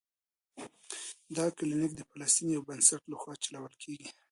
دا کلینک د فلسطین د یو بنسټ له خوا چلول کیږي.